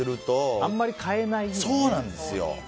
あんまり買えないよね。